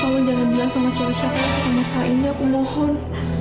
tolong jangan bilang sama siapa siapa masalah ini aku mohon